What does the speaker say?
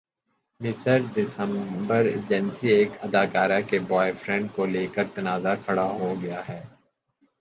مصر دسمبرایجنسی ایک اداکارہ کے بوائے فرینڈ کو لیکر تنازعہ کھڑا ہو گیا ہے